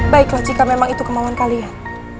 baiklah jika memang itu kemauan kalian